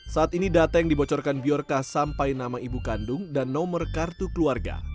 saat ini data yang dibocorkan biorka sampai nama ibu kandung dan nomor kartu keluarga